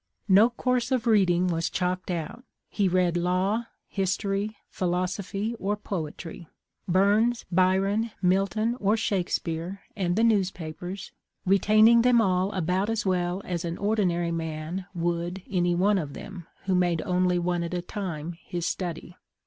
No course of reading was chalked out. He read law, history, philosophy, or poetry ; Burns, Byron, Milton, or Shakespeare and the newspapers, retain ing them all about as well as an ordinary man would any one of them who made only one at a time his study.